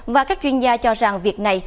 và các chuyên gia cho rằng việc này